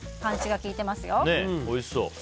おいしそう。